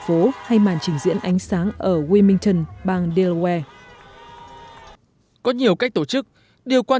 phố hay màn trình diễn ánh sáng ở wilmington bang delowel có nhiều cách tổ chức điều quan